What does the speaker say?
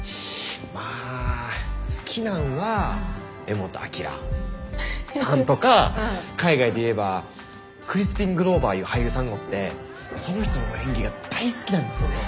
まあ好きなんは柄本明さんとか海外で言えばクリスピン・グローヴァーいう俳優さんがおってその人の演技が大好きなんですよね。